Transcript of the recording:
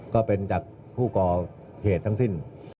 ก็เป็นจากผู้ก่อเหตุทั้งสิ้น